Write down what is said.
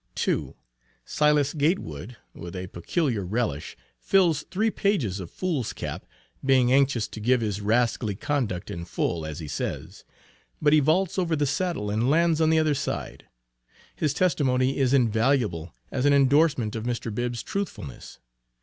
2. Silas Gatewood, with a peculiar relish, fills three pages of foolscap, "being anxious to give his rascally conduct in full," as he says. But he vaults over the saddle and lands on the other side. His testimony is invaluable as an endorsement of Mr. Bibb's truthfulness.